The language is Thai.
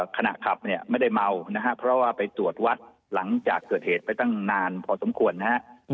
ขณะขับเนี่ยไม่ได้เมานะครับเพราะว่าไปตรวจวัดหลังจากเกิดเหตุไปตั้งนานพอสมควรนะฮะ